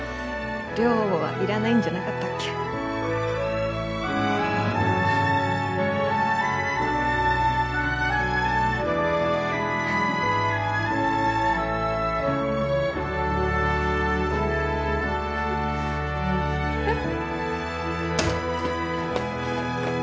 寮母はいらないんじゃなかったっけえっ？